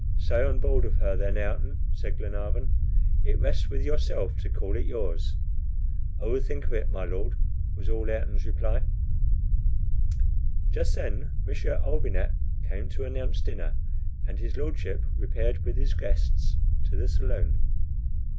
"Stay on board of her, then, Ayrton," said Glenarvan; "it rests with yourself to call it yours." "I will think of it, my Lord," was all Ayrton's reply. Just then M. Olbinett came to announce dinner, and his Lordship repaired with his guests to the saloon.